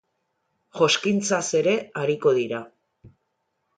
Joskintzaz ere ariko dira.